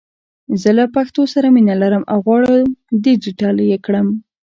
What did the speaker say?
زه له پښتو زه مینه لرم او غواړم ډېجیټل یې کړم!